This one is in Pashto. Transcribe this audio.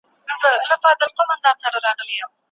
یوه ورځ به داسي راسي چي شرنګیږي ربابونه